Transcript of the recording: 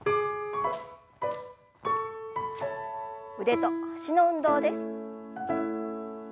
腕と脚の運動です。